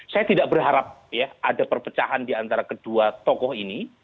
saya tidak berharap ada perpecahan di antara kedua tokoh ini